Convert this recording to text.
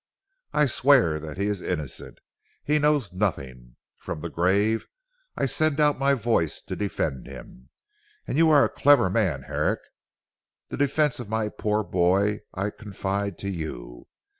I swear that he is innocent. He knows nothing. From the grave I send out my voice to defend him. And you are a clever man Herrick. The defence of my poor boy I confide to you.